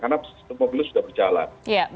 karena sistem pemilu sudah berjalan